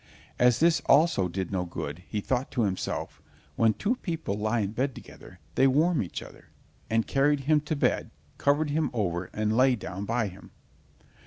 As this also did no good, he thought to himself: "When two people lie in bed together, they warm each other," and carried him to bed, covered him over and lay down by him.